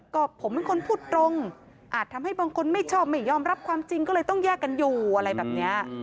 ก็ผมเป็นคนพูดตรงอาจทำให้บางคนไม่ชอบไม่ยอมรับความจริงก็เลยต้องแยกกันอยู่อะไรแบบนี้